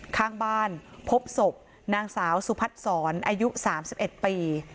ข้างบ้านพบศพนางสาวสุพัฒนศรอายุ๓๑ปี